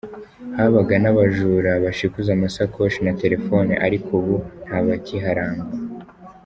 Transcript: Habaga n’abajura bashikuza amasakoshi na telefoni ariko ubu ntabakiharangwa.